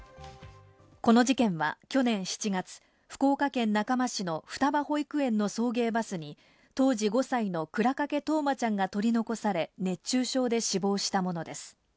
この事件は去年７月、福岡県中間市の双葉保育園の送迎バスに当時５歳の倉掛冬生ちゃんが取り残され、熱中症で死亡したものです。